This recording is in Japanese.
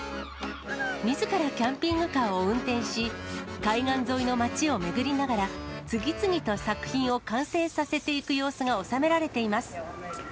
みずからキャンピングカーを運転し、海外沿いの町を巡りながら、次々と作品を完成させていく様子が収められています。